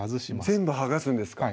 全部剥がすんですか？